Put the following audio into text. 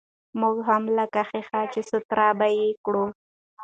موږ هم لکه ښيښه، چې سوتره به يې کړو.